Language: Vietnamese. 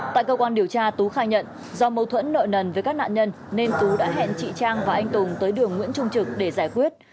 tại cơ quan điều tra tú khai nhận do mâu thuẫn nợ nần với các nạn nhân nên tú đã hẹn chị trang và anh tùng tới đường nguyễn trung trực để giải quyết